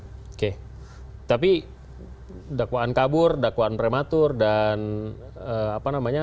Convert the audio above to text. oke tapi dakwaan kabur dakwaan prematur dan apa namanya